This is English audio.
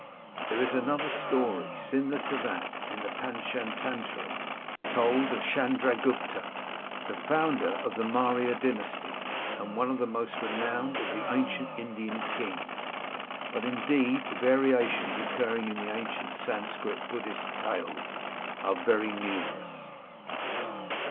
There is another story, similar to that in the Pantschatantra^ told of Tschandragupta, the founder of the Maurya dynasty, and one of the most renowned of the ancient Indian kings. But, indeed, the variations occurring in the ancient Sanscrit Buddhist tales are very numerous.